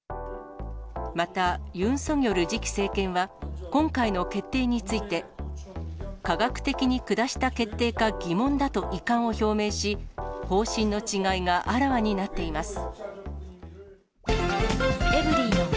また、ユン・ソギョル次期政権は、今回の決定について、科学的に下した決定か疑問だと遺憾を表明し、方針の違いがあらわになっています。